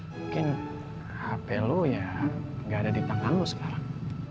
mungkin hp lo ya nggak ada di tanganmu sekarang